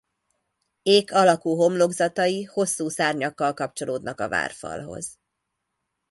Ék alakú homlokzatai hosszú szárnyakkal kapcsolódnak a várfalhoz.